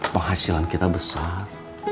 penghasilan kita besar